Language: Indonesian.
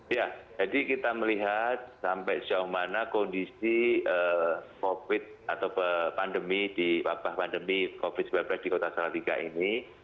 ya jadi kita melihat sampai sejauh mana kondisi covid atau pandemi di wabah pandemi covid sembilan belas di kota salatiga ini